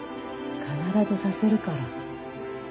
必ずさせるから。